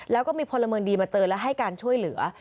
แล้วก็มีพลเมืองดีมาเจอและให้การช่วยเหลือ